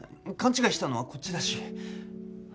勘違いしたのはこっちだし。